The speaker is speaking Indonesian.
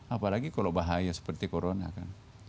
apalagi kalau bahaya seperti corona kan